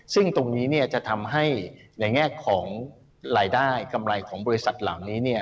ซึ่งตรงนี้จะทำให้ในแง่ของรายได้กำไรของบริษัทเหล่านี้